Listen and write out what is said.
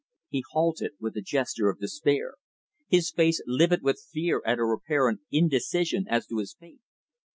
He halted with a gesture of despair; his face livid with fear at her apparent indecision as to his fate.